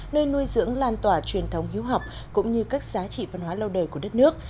nơi nuôi dưỡng lan tỏa truyền thống hiếu học cũng như các giá trị văn hóa lâu đời của đất nước